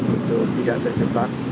untuk tidak terjebak dengan